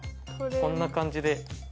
こんな感じで。